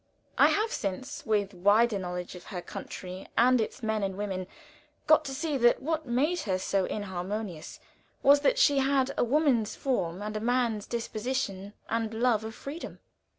I have since, with wider knowledge of her country and its men and women, got to see that what made her so inharmonious was, that she had a woman's form and a man's disposition and love of freedom.